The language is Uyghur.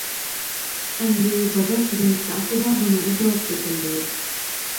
ئەمدى بازار تۈزۈلمىسى ئاستىدا بۇنىڭغا جاۋاب تېپىلدى.